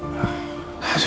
masa kemana sih